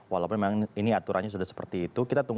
walaupun memang ini aturannya sudah seperti itu